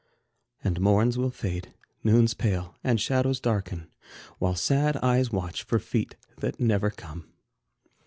And morns will fade, noons pale, and shadows darken, While sad eyes watch for feet that never come.